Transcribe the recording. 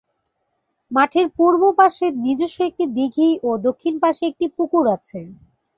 মাঠের পূর্ব পাশে নিজস্ব একটি দিঘী ও দক্ষিণ পাশে একটি পুকুর আছে।